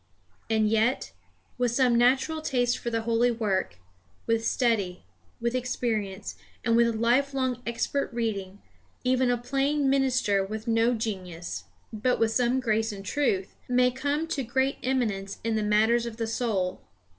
And yet, with some natural taste for the holy work, with study, with experience, and with life long expert reading, even a plain minister with no genius, but with some grace and truth, may come to great eminence in the matters of the soul.